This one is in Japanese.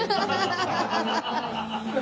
ハハハハ！